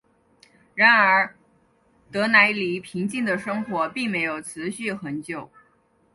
然而德莱尼平静的生活并没有持续很久。